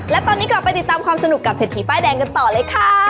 และตอนนี้กลับไปติดตามความสนุกกับเศรษฐีป้ายแดงกันต่อเลยค่ะ